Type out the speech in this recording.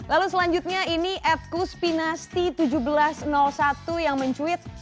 lalu selanjutnya ini at kuspinasti seribu tujuh ratus satu yang mencuit